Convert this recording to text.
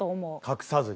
隠さずに。